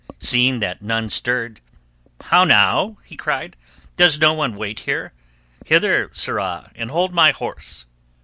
Seeing that none stirred— "How now?" he cried. "Does no one wait here? Hither, sirrah, and hold my horse."